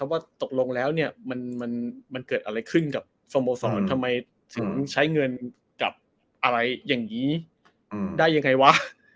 ว่าตกลงแล้วเนี่ยมันเกิดอะไรขึ้นกับสโมสรทำไมถึงใช้เงินกับอะไรอย่างนี้ได้ยังไงวะ